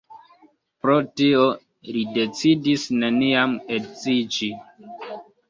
Pro tio, li decidis neniam edziĝi.